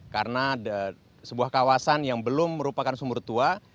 karena sebuah kawasan yang belum merupakan sumur tua